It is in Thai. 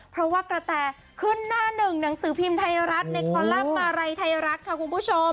เพราะว่ากระแตขึ้นหน้าหนึ่งหนังสือพิมพ์ไทยรัฐในคอลัมป์มาลัยไทยรัฐค่ะคุณผู้ชม